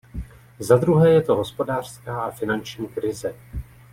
Zadruhé je to hospodářská a finanční krize.